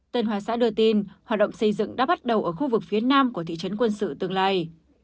tân hoa xã đưa tin hoạt động xây dựng đã bắt đầu ở khu vực phía nam của thị trấn quân sự tương lai